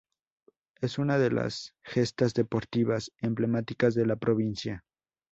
Es una de las gestas deportivas emblemáticas de la provincia.